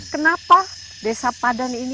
kenapa desa padang ini